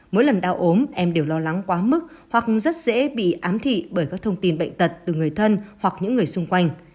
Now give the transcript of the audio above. mỗi lần đau ốm em đều lo lắng quá mức hoặc rất dễ bị ám thị bởi các thông tin bệnh tật từ người thân hoặc những người xung quanh